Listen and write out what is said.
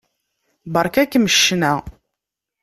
Beṛka-kem ccna.